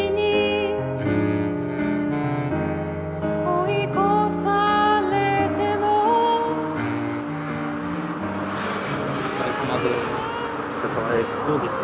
お疲れさまです。